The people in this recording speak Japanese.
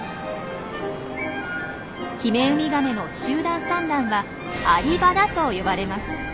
ヒメウミガメの集団産卵は「アリバダ」と呼ばれます。